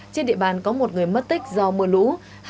trên địa bàn có một người mất tích do mưa lũ